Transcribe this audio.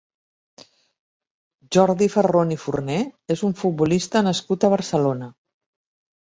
Jordi Ferrón i Forné és un futbolista nascut a Barcelona.